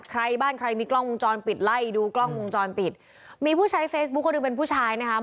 ใครบ้านใครมีกล้องวงจรปิดไล่ดูกล้องวงจรปิดมีผู้ใช้เฟซบุ๊คคนหนึ่งเป็นผู้ชายนะคะ